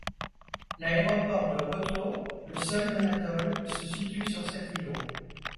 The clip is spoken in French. L'aéroport de Wotho, le seul de l'atoll, se situe sur cet îlot.